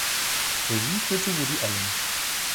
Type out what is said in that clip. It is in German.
Regie führte Woody Allen.